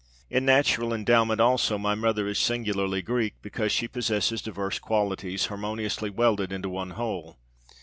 In natural endowment, also, my mother is singularly Greek, because she possesses diverse qualities harmoniously welded into one whole.